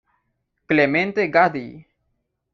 Clemente Gaddi.